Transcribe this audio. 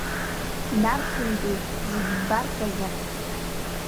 Нарцәынтәи зегьы ббарҭазар?